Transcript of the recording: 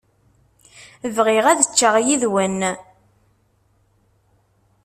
Bɣiɣ ad ččeɣ yid-wen.